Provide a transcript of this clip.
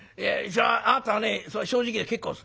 あなたはね正直で結構です。